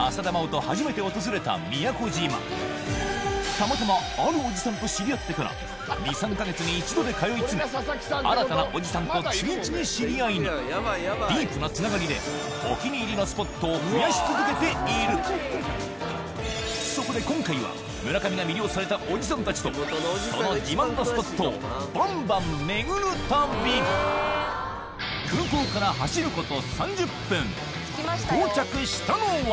たまたまあるおじさんと知り合ってから２３か月に１度で通い詰め新たなおじさんと次々知り合いにディープなつながりでお気に入りのスポットを増やし続けているそこで今回は村上が魅了されたおじさんたちとその自慢のスポットをバンバン巡る旅空港から到着したのは